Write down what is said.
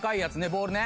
ボールね。